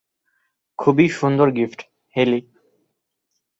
খুবই সুন্দর গিফট, হেলি।